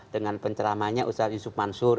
dengan penceramanya ustadz yusuf mansur